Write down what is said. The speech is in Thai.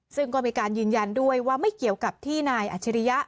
ซึ่งก็มีการยืนยันด้วยว่าไม่เกี่ยวกับที่นายอัจฉริยะ